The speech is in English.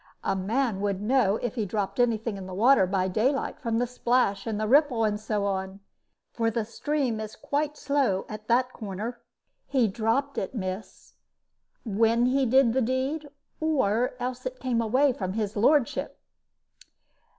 A man would know if he dropped any thing in the water by daylight, from the splash and the ripple, and so on, for the stream is quite slow at that corner. He dropped it, miss, when he did the deed, or else it came away from his lordship."